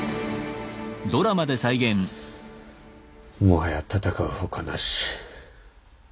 もはや戦う他なし。